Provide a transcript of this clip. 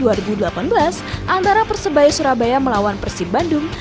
antara persebaya surabaya melawan persib bandung